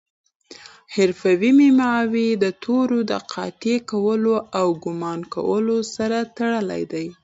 حروفي معماوي د تورو د قاطع کولو او ګومان کولو سره تړلي دي.